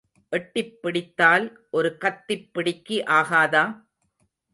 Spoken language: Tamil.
எட்டிப் பிடித்தால் ஒரு கத்திப் பிடிக்கு ஆகாதா?